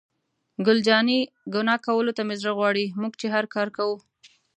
ګل جانې: ګناه کولو ته مې زړه غواړي، موږ چې هر کار کوو.